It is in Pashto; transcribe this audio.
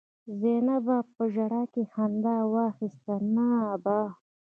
زينبه په ژړا کې خندا واخيسته: نه ابا!